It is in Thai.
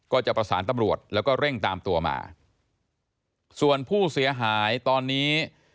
ก็จะประสานตำรวจแล้วก็เร่งตามตัวมาส่วนผู้เสียหายตอนนี้